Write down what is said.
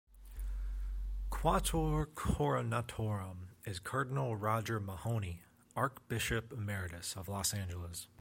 Quattuor Coronatorum is Cardinal Roger Mahony, Archbishop Emeritus of Los Angeles.